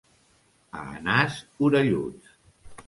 A Anàs, orelluts.